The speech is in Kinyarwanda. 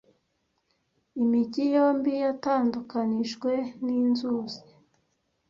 Imijyi yombi yatandukanijwe ninzuzi.